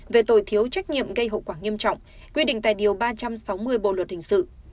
về tội thiếu trách nhiệm gây hậu quả nghiêm trọng quy định tại điều ba trăm sáu mươi bộ luật hình sự